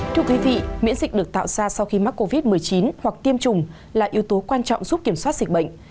thưa quý vị miễn dịch được tạo ra sau khi mắc covid một mươi chín hoặc tiêm chủng là yếu tố quan trọng giúp kiểm soát dịch bệnh